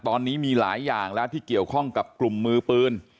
ตอนนี้มีหลายอย่างแล้วที่เกี่ยวข้องกับกลุ่มมือปืน